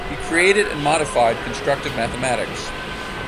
He created and modified constructive mathematics.